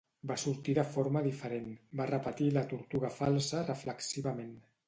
"Va sortir de forma diferent", va repetir la tortuga falsa reflexivament.